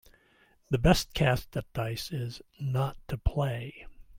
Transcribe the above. The best cast at dice is not to play.